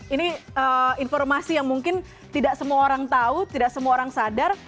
ini informasi yang mungkin tidak semua orang tahu tidak semua orang sadar